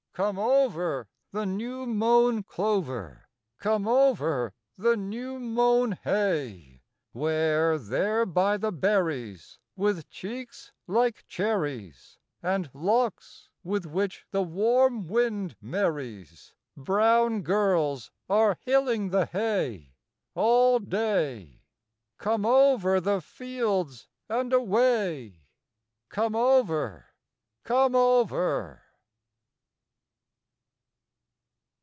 Come over The new mown clover! Come over the new mown hay! Where, there by the berries, With cheeks like cherries, And locks with which the warm wind merries, Brown girls are hilling the hay, All day! Come over the fields and away! Come over! Come over!"